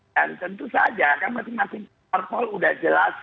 dan tentu saja kan masing masing parpol udah jelas